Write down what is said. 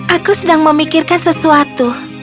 aku sedang memikirkan sesuatu